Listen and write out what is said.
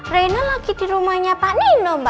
reina lagi di rumahnya pak nino mbak